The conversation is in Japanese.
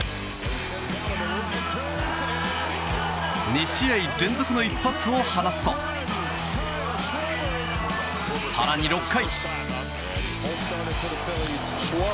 ２試合連続の一発を放つと更に、６回。